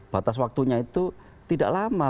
batas waktunya itu tidak lama